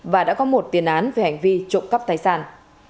và đã có một tiền án về hành vi trộm cắp tài sản